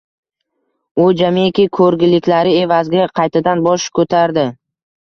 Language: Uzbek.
U jamiki ko’rgiliklari evaziga qaytadan bosh ko’tardi.